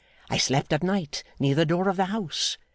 I slept at night near the door of the house.